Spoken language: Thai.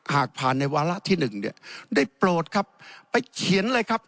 หากผ่านในวาระที่หนึ่งเนี่ยได้โปรดครับไปเขียนเลยครับ